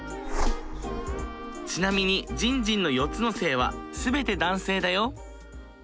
ちなみにじんじんの４つの性は全て男性だよ。